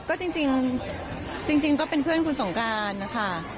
ก็จริงก็เป็นเพื่อนคุณสงการนะคะ